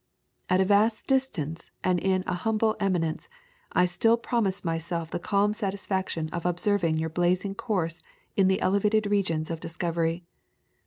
"At a vast distance, and in an humble eminence, I still promise myself the calm satisfaction of observing your blazing course in the elevated regions of discovery.